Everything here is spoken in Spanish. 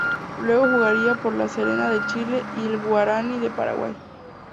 Luego jugaría por La Serena de Chile y el Guaraní de Paraguay.